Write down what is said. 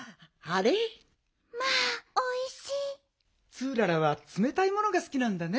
ツーララはつめたいものがすきなんだね。